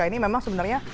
ini memang sebenarnya